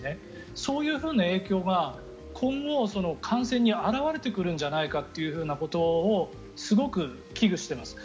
そういうふうな影響が今後、感染に表れてくるんじゃないかということをすごく危惧しています。